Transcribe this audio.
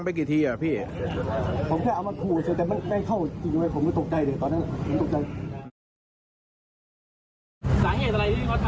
ต่อคนที่ทำร้ายร่างกายเหรอ